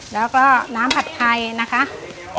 แล้วก็น้ำผัดไทยนะคะ